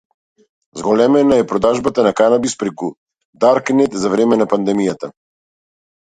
Зголемена е продажбата на канабис преку Даркнет за време на пандемијата